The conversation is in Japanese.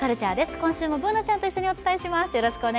今週もＢｏｏｎａちゃんと一緒にお伝えします。